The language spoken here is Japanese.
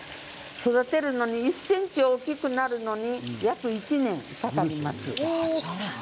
育てるのに１ｃｍ大きくなるのに約１年かかります。